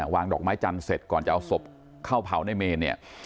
วางดอกไม้จันทร์เสร็จก่อนจะเอาศพเข้าเผาในเมนเนี่ย